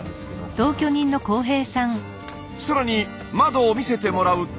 さらに窓を見せてもらうと。